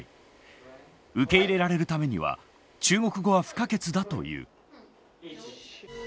受け入れられるためには中国語は不可欠だという。